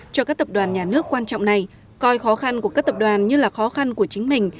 cho các tập đoàn nhà nước quan trọng này coi khó khăn của các tập đoàn như là khó khăn của chính mình